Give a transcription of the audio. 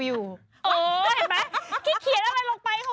เห็นไหม